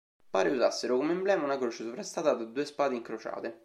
Pare usassero come emblema una croce sovrastata da due spade incrociate.